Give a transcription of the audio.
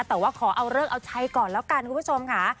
แต่ว่าขอเอาเลิกเอาใช้ก่อนแล้วกันคุณผู้ชมค่ะ